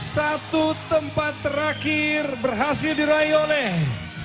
satu tempat terakhir berhasil diraih oleh